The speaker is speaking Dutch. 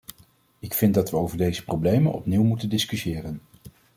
Ik vind dat we over deze problemen opnieuw moeten discussiëren.